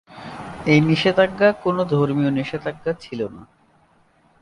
এই নিষেধাজ্ঞা কোনো ধর্মীয় নিষেধাজ্ঞা ছিল না।